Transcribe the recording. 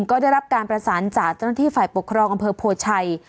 ก็ได้รับการประสานจากเจ้าหน้าที่ฝ่ายปกครองอำเภอโพชัย